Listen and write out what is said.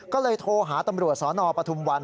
ก็เลยโทรหาตำรวจสนปฐุมวัน